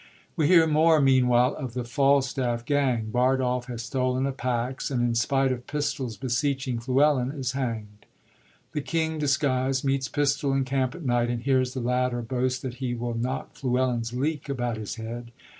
Wo hear more, meanwhile, of the FalstafiP gang : Bardolph has stolen a pax, and, in spite of Pistol's beseeching Fluellen, is hangd. The king, disguisd, meet s Pistol in camp at night, and hears the latter boast that he will knock Fluellen's leek about his head.